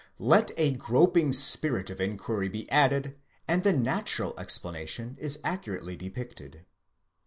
(Let a groping spirit of inquiry be added, and the natural explanation is accurately depicted.)